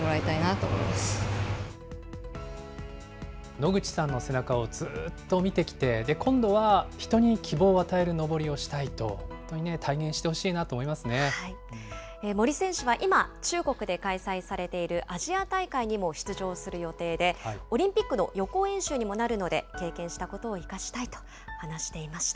野口さんの背中をずーっと見てきて、今度は人に希望を与える登りをしたいと、森選手は今、中国で開催されているアジア大会にも出場する予定で、オリンピックの予行演習にもなるので、経験したことを生かしたいと話していました。